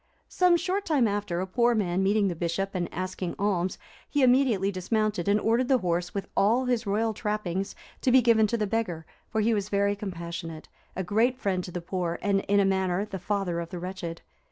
Some short time after, a poor man meeting the Bishop, and asking alms, he immediately dismounted, and ordered the horse, with all his royal trappings, to be given to the beggar; for he was very compassionate, a great friend to the poor, and, in a manner, the father of the wretched.